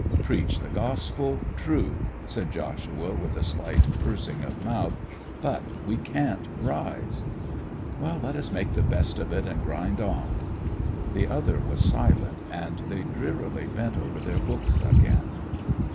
'Preach the Gospel—true,' said Joshua with a slight pursing of mouth. 'But we can't rise!' 'Let us make the best of it, and grind on.' The other was silent, and they drearily bent over their books again.